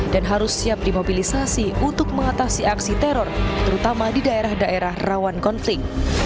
dan harus siap dimobilisasi untuk mengatasi aksi teror terutama di daerah daerah rawan konflik